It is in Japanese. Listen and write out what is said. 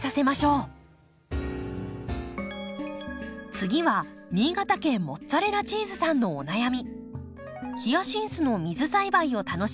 次は新潟県モッツァレラチーズさんのお悩み。